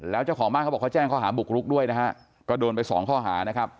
แล้วเจ้าของบ้านเขาบอกเขาแจ้งข้อหาบุกรุกด้วยนะฮะก็โดนไปสองข้อหานะครับ